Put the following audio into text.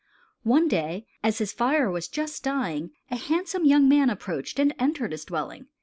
One day as his fire was just dying, a handsome young man approached and entered his dwelling.